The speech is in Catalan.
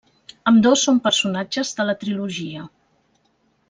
Ambdós són personatges de la trilogia.